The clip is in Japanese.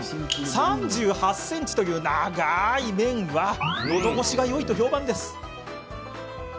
３８ｃｍという長い麺はのどごしがよいと評判です。